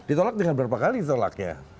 ditolak dengan berapa kali ditolaknya